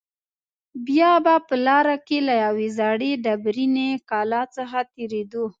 بیا به په لاره کې له یوې زړې ډبرینې کلا څخه تېرېدو.